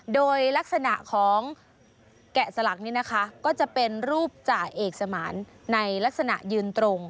โดยลักษณะของแกะสลักนี้นะคะก็จะเป็นรูปจ่าเอกสมานในลักษณะยืนตรง